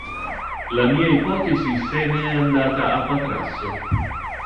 La mia ipotesi se ne è andata a Patrasso!